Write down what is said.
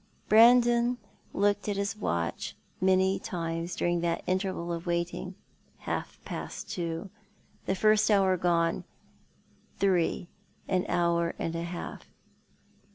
Brandon looked at his watch many times during that interval of waiting. Half past two — the first hour gone — three, an hour and a half.